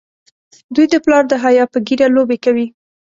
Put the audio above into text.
دوی د پلار د حیا په ږیره لوبې کوي.